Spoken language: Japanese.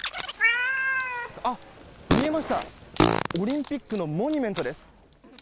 見えました、オリンピックのモニュメントです。